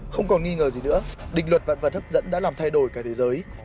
không còn nghi ngờ gì nữa định luật vạn vật hấp dẫn đã làm thay đổi cả thế giới